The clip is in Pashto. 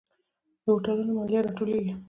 د هوټلونو مالیه راټولیږي؟